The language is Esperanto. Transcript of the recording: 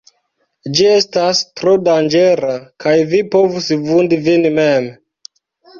Ĝi estas tro danĝera, kaj vi povus vundi vin mem.